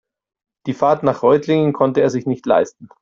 Die Fahrt nach Reutlingen konnte er sich nicht leisten